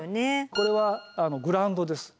これはグラウンドです。